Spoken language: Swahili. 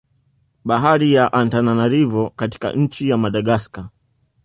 Bandari ya Antananarivo katika nchi ya Madagascar